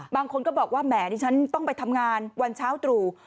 บางคนก็บอกว่าแหมดิฉันต้องไปทำงานวันเช้าตรู่